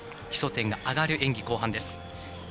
基礎点が上がる演技後半です。